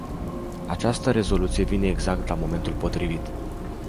Această rezoluție vine exact la momentul potrivit.